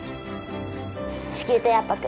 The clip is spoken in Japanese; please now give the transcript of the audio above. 子宮底圧迫。